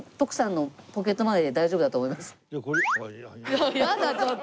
やだちょっと。